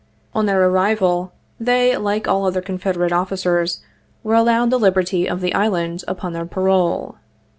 On their arrival, they, like all other Confede rate officers, were allowed the liberty of the Island upon their parole.